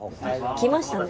来ましたね。